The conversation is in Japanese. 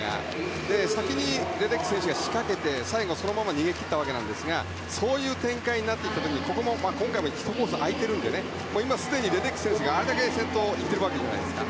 先にレデッキー選手が仕掛けて最後そのまま逃げ切ったんですがそういう展開になってきた時に今回も１コース空いているので今、すでにレデッキー選手があれだけ先頭に行ってるわけじゃないですか。